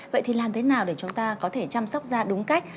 vậy thì làm thế nào để chúng ta có thể chăm sóc da đúng cách